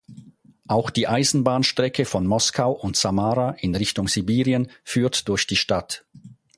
Auch die Eisenbahnstrecke von Moskau und Samara in Richtung Sibirien führt durch die Stadt.